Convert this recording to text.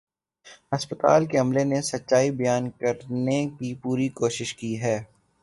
ہسپتال کے عملے نے سچائی بیان کرنے کی پوری کوشش کی ہے